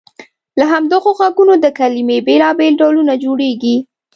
له همدغو غږونو د کلمې بېلابېل ډولونه جوړیږي.